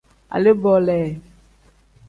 Alee-bo le.